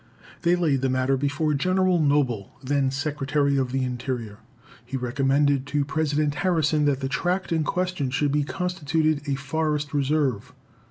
They laid the matter before General Noble, then Secretary of the Interior. He recommended to President Harrison that the tract in question should be constituted a forest reserve.